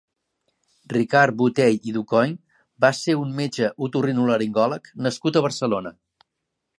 Ricard Botey i Ducoing va ser un metge otorinolaringòleg nascut a Barcelona.